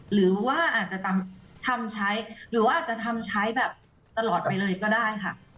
หรือว่าอาจจะทำใช้หรือว่าอาจจะทำใช้แบบตลอดไปเลยก็ได้ค่ะ